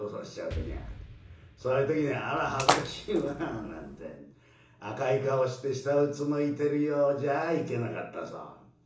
そういう時には「あら恥ずかしいわ」なんて赤い顔して下うつむいてるようじゃいけなかったそう。